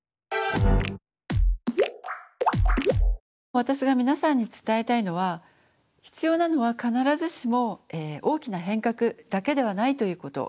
私が皆さんに伝えたいのは必要なのは必ずしも大きな変革だけではないということ。